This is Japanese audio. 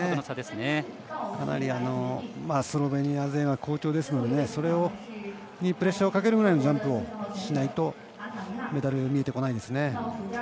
かなりスロベニア勢は好調ですのでそれにプレッシャーをかけるぐらいのジャンプをしないとメダル、見えてこないですね。